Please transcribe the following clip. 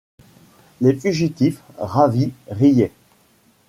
Les fugitifs, ravis, riaient.